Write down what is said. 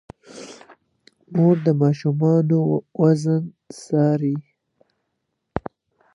مور د ماشومانو وزن څاري.